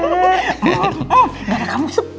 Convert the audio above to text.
gara kamu sepi